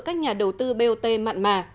các nhà đầu tư bot mặn mà